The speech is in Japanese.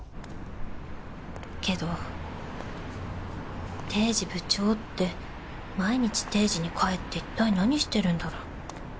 けど堤司部長って毎日定時に帰っていったい何してるんだろう？